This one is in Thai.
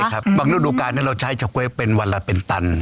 ใช่ครับบางนู้นดูการนี่เราใช้เฉาก๊วยเป็นวันละเป็นตัน